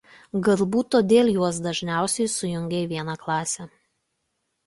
Galbūt todėl juos dažniausiai sujungia į vieną klasę.